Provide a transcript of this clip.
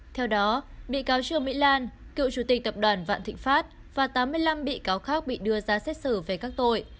theo đó bị cáo trương mỹ lan cựu chủ tịch tập đoàn vạn thịnh pháp và tám mươi năm bị cáo khác bị đưa ra xét xử về các tội